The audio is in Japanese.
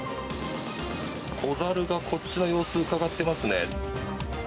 子ザルがこっちの様子をうかがっていますね。